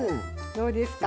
どうですか？